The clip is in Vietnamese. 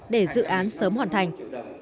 để dự án sớm hoàn thành